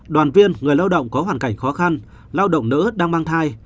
đoàn viên người lao động có hoàn cảnh khó khăn lao động nữ đang mang thai